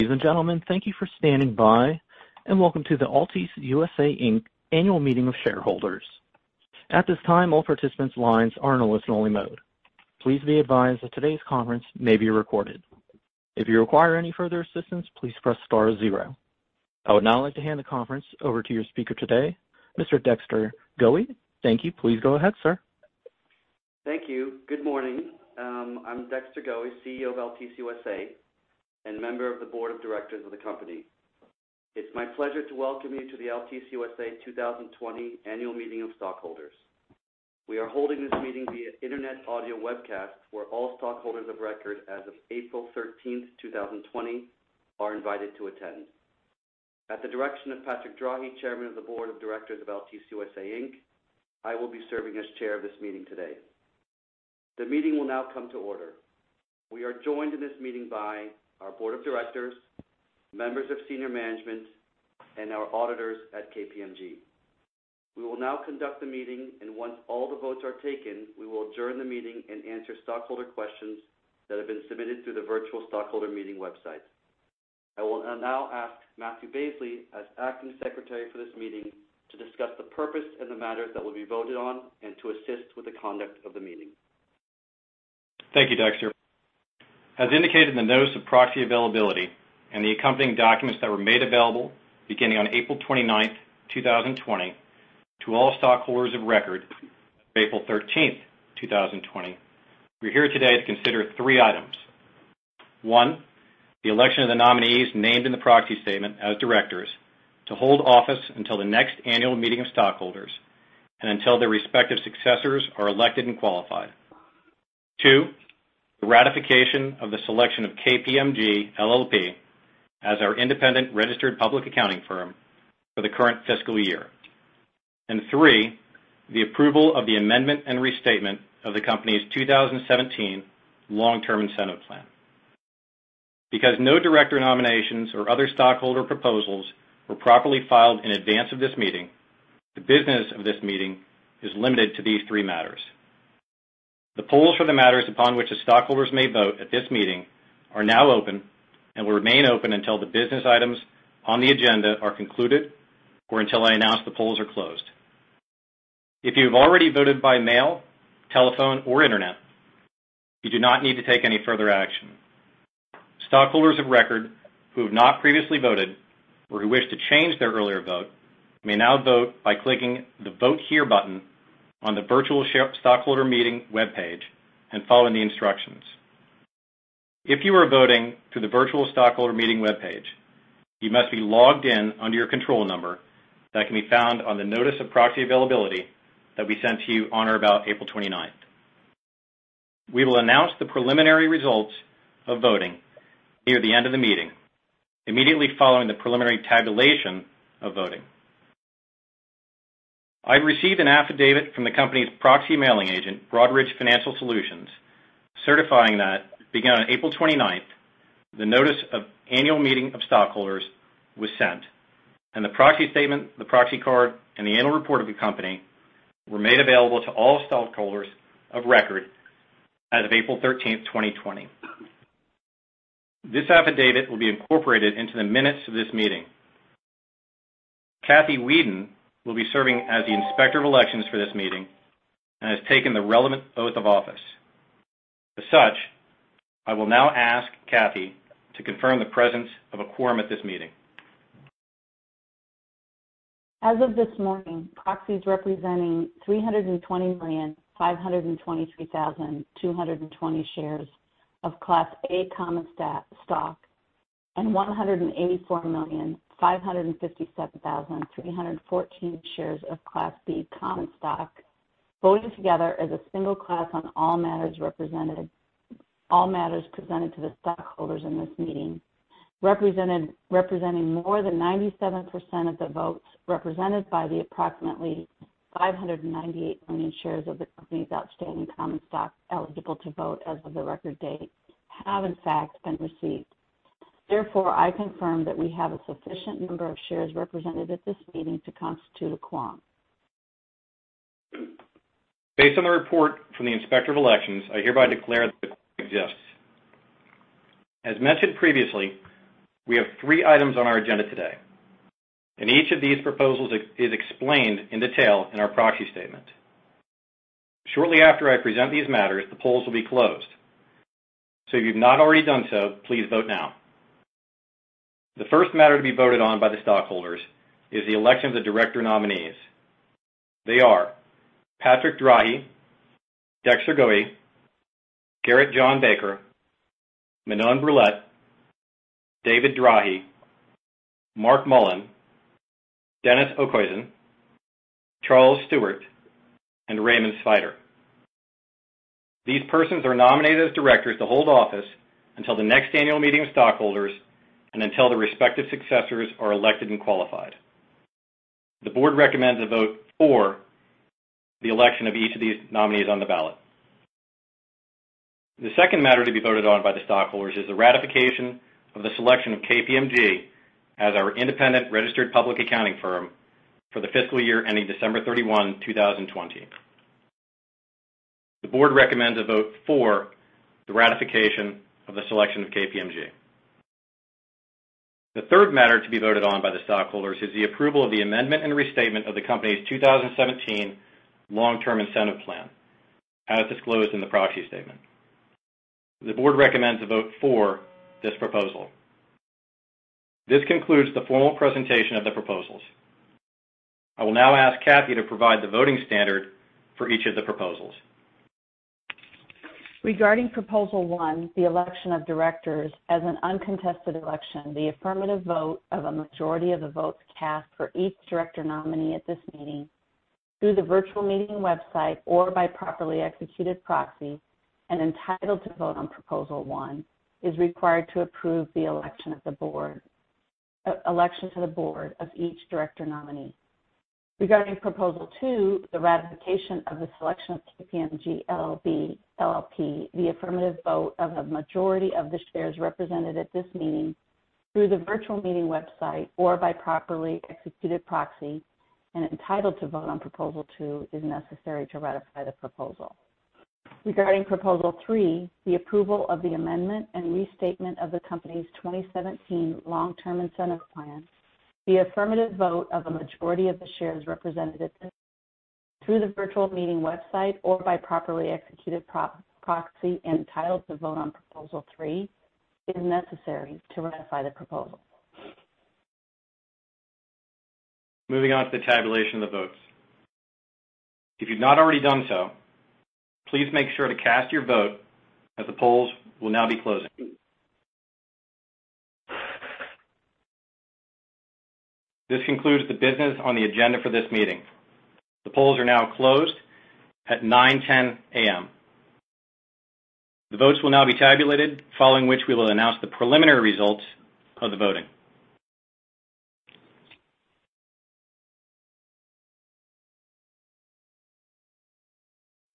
Ladies and gentlemen, thank you for standing by, and welcome to the Altice USA, Inc. Annual Meeting of Shareholders. At this time, all participants' lines are in a listen-only mode. Please be advised that today's conference may be recorded. If you require any further assistance, please press star zero. I would now like to hand the conference over to your speaker today, Mr. Dexter Goei. Thank you. Please go ahead, sir. Thank you. Good morning. I'm Dexter Goei, CEO of Altice USA, and member of the board of directors of the company. It's my pleasure to welcome you to the Altice USA 2020 Annual Meeting of Stockholders. We are holding this meeting via internet audio webcast, where all stockholders of record as of April 13, 2020, are invited to attend. At the direction of Patrick Drahi, Chairman of the Board of Directors of Altice USA Inc., I will be serving as Chair of this meeting today. The meeting will now come to order. We are joined in this meeting by our board of directors, members of senior management, and our auditors at KPMG. We will now conduct the meeting, and once all the votes are taken, we will adjourn the meeting and answer stockholder questions that have been submitted through the virtual stockholder meeting website. I will now ask Mathew Bazley, as acting secretary for this meeting, to discuss the purpose and the matters that will be voted on and to assist with the conduct of the meeting. Thank you, Dexter. As indicated in the Notice of Proxy Availability and the accompanying documents that were made available beginning on April 29, 2020, to all stockholders of record: April 13, 2020, we're here today to consider three items. One, the election of the nominees named in the proxy statement as directors to hold office until the next annual meeting of stockholders and until their respective successors are elected and qualified. Two, the ratification of the selection of KPMG LLP as our independent registered public accounting firm for the current fiscal year. And three, the approval of the amendment and restatement of the company's 2,017 Long-Term Incentive Plan. Because no director nominations or other stockholder proposals were properly filed in advance of this meeting, the business of this meeting is limited to these three matters. The polls for the matters upon which the stockholders may vote at this meeting are now open and will remain open until the business items on the agenda are concluded or until I announce the polls are closed. If you've already voted by mail, telephone, or internet, you do not need to take any further action. Stockholders of record who have not previously voted or who wish to change their earlier vote may now vote by clicking the Vote Here button on the virtual shareholder meeting webpage and following the instructions. If you are voting through the virtual shareholder meeting webpage, you must be logged in under your control number that can be found on the Notice of Proxy Availability that we sent to you on or about April twenty-ninth. We will announce the preliminary results of voting near the end of the meeting, immediately following the preliminary tabulation of voting. I received an affidavit from the company's proxy mailing agent, Broadridge Financial Solutions, certifying that beginning on April twenty-ninth, the Notice of Annual Meeting of Stockholders was sent, and the Proxy Statement, the proxy card, and the Annual Report of the company were made available to all stockholders of record as of April 13, 2020. This affidavit will be incorporated into the minutes of this meeting. Kathy Wheadon will be serving as the Inspector of Elections for this meeting and has taken the relevant oath of office. As such, I will now ask Kathy to confirm the presence of a quorum at this meeting. As of this morning, proxies representing 320 million, 523,000, two hundred and twenty shares of Class A Common Stock, and 184 million, 557,000, 314 shares of Class B Common Stock, voting together as a single class on all matters presented to the stockholders in this meeting, representing more than 97% of the votes, represented by the approximately 598 million shares of the company's outstanding common stock eligible to vote as of the record date, have in fact been received. Therefore, I confirm that we have a sufficient number of shares represented at this meeting to constitute a quorum. Based on the report from the Inspector of Elections, I hereby declare that it exists. As mentioned previously, we have three items on our agenda today, and each of these proposals is explained in detail in our proxy statement. Shortly after I present these matters, the polls will be closed. So if you've not already done so, please vote now. The first matter to be voted on by the stockholders is the election of the director nominees. They are Patrick Drahi, Dexter Goei, Gerrit Jan Bakker, Manon Brouillette, David Drahi, Mark Mullen, Dennis Okhuijsen, Charles Stewart, and Raymond Svider. These persons are nominated as directors to hold office until the next annual meeting of stockholders and until the respective successors are elected and qualified. The board recommends a vote for the election of each of these nominees on the ballot. The second matter to be voted on by the stockholders is the ratification of the selection of KPMG as our independent registered public accounting firm for the fiscal year ending December 31, 2020. The board recommends a vote for the ratification of the selection of KPMG. The third matter to be voted on by the stockholders is the approval of the amendment and restatement of the company's 2017 long-term incentive plan, as disclosed in the proxy statement. The board recommends a vote for this proposal. This concludes the formal presentation of the proposals. I will now ask Kathy to provide the voting standard for each of the proposals. Regarding proposal one, the election of directors, as an uncontested election, the affirmative vote of a majority of the votes cast for each director nominee at this meeting, through the virtual meeting website or by properly executed proxy and entitled to vote on proposal one, is required to approve the election of the board, election to the board of each director nominee. Regarding proposal two, the ratification of the selection of KPMG LLP, the affirmative vote of a majority of the shares represented at this meeting through the virtual meeting website or by properly executed proxy and entitled to vote on proposal two, is necessary to ratify the proposal. Regarding proposal three, the approval of the amendment and restatement of the company's 2017 Long-Term Incentive Plan, the affirmative vote of a majority of the shares represented through the virtual meeting website or by properly executed proxy, entitled to vote on proposal three, is necessary to ratify the proposal. Moving on to the tabulation of the votes. If you've not already done so, please make sure to cast your vote as the polls will now be closing. This concludes the business on the agenda for this meeting. The polls are now closed at 9:10 A.M. The votes will now be tabulated, following which we will announce the preliminary results of the voting.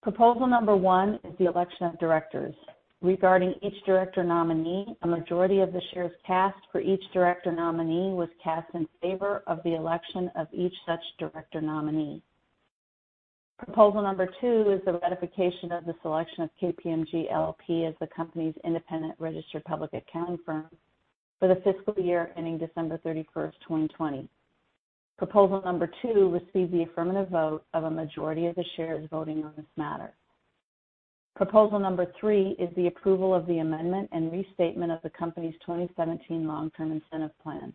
Proposal number one is the election of directors. Regarding each director nominee, a majority of the shares cast for each director nominee was cast in favor of the election of each such director nominee. Proposal number two is the ratification of the selection of KPMG LLP as the company's independent registered public accounting firm for the fiscal year ending December 31, 2020. Proposal number two received the affirmative vote of a majority of the shares voting on this matter. Proposal number three is the approval of the amendment and restatement of the company's 2017 Long-Term Incentive Plan.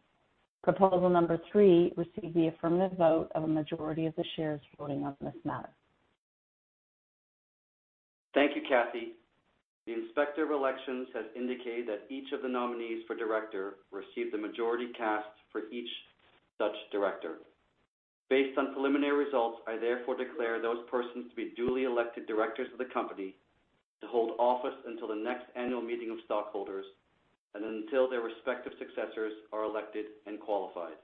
Proposal number three received the affirmative vote of a majority of the shares voting on this matter. Thank you, Kathy. The Inspector of Elections has indicated that each of the nominees for director received the majority cast for each such director. Based on preliminary results, I therefore declare those persons to be duly elected directors of the company, to hold office until the next annual meeting of stockholders, and until their respective successors are elected and qualified.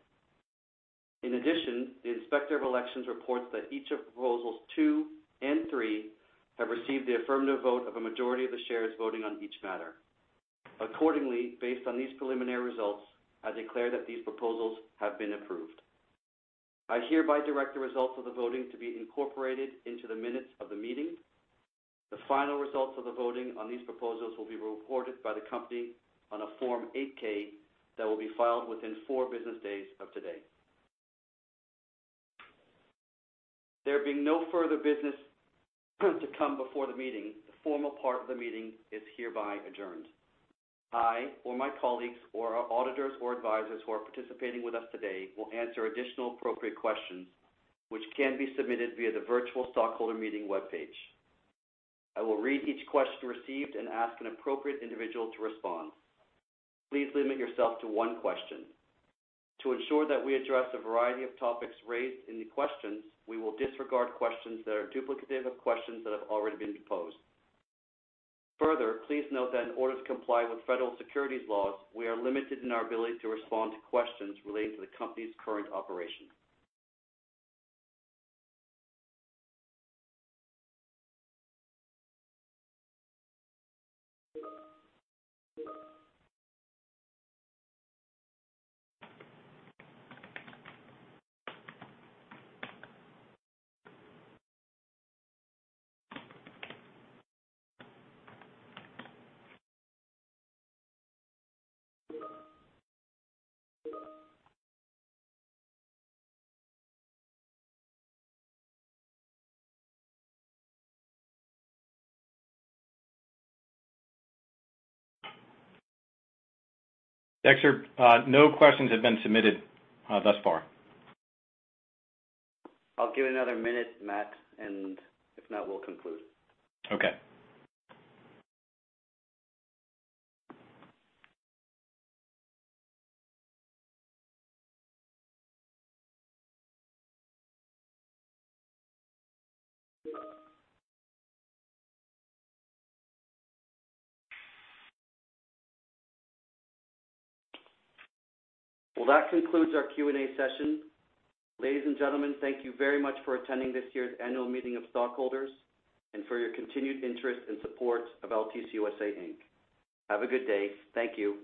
In addition, the Inspector of Elections reports that each of proposals two and three have received the affirmative vote of a majority of the shares voting on each matter. Accordingly, based on these preliminary results, I declare that these proposals have been approved. I hereby direct the results of the voting to be incorporated into the minutes of the meeting. The final results of the voting on these proposals will be reported by the company on a Form 8-K that will be filed within four business days of today. There being no further business to come before the meeting, the formal part of the meeting is hereby adjourned. I or my colleagues, or our auditors or advisors who are participating with us today, will answer additional appropriate questions which can be submitted via the virtual stockholder meeting webpage. I will read each question received and ask an appropriate individual to respond. Please limit yourself to one question. To ensure that we address a variety of topics raised in the questions, we will disregard questions that are duplicative of questions that have already been posed. Further, please note that in order to comply with federal securities laws, we are limited in our ability to respond to questions relating to the company's current operations. Dexter, no questions have been submitted, thus far. I'll give it another minute, Matt, and if not, we'll conclude. Okay. That concludes our Q&A session. Ladies and gentlemen, thank you very much for attending this year's annual meeting of stockholders, and for your continued interest and support of Altice USA, Inc. Have a good day. Thank you.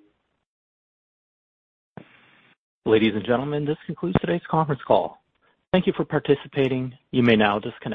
Ladies and gentlemen, this concludes today's conference call. Thank you for participating. You may now disconnect.